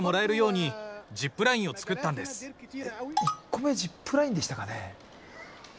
１個目ジップラインでしたかね。